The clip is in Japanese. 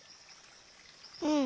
うん。